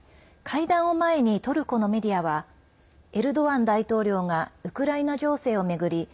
会談を前にトルコのメディアはエルドアン大統領がウクライナ情勢を巡り